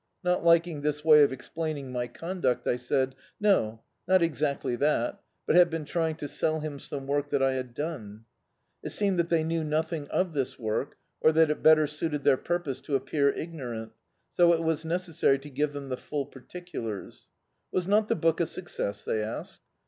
Not liking this way of ex plaining my conduct, I said — "No, not exactly that, but have been trying to sell him some work that I had done." It seemed that they knew nothing of this work— or that it better suited their purpose to appear ignorant — so it was necessary to ^ve them the full particulars. "Was not the book a suc cess?" they asked.